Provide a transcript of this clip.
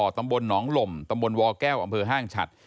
ตำบลหนองหล่มตำบลวแก้วอำเภอห้างฉัด